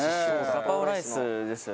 ガパオライスですよね。